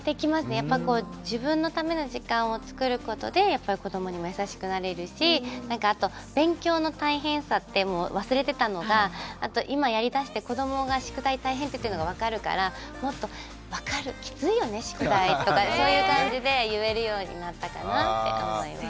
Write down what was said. やっぱこう自分のための時間をつくることでやっぱり子どもにも優しくなれるしあと勉強の大変さって忘れてたのが今やりだして子どもが宿題大変って言ってるのが分かるからもっと「分かるきついよね宿題」とかそういう感じで言えるようになったかなって思います。